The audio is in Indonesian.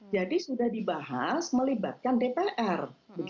jadi sudah dibahas melibatkan dpr